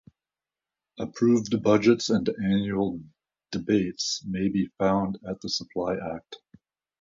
Approved Budgets and annual debates may be found at the Supply Act.